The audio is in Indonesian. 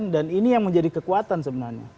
dan ini yang menjadi kekuatan sebenarnya